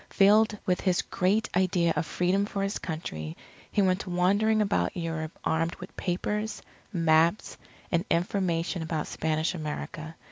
Filled with his great idea of Freedom for his Country, he went wandering about Europe armed with papers, maps, and information about Spanish America.